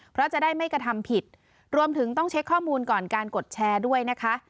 เพราะจะได้ไม่กระทำผิดรวมถึงต้องเช็คข้อมูลก่อนการกดแชร์ด้วยนะคะ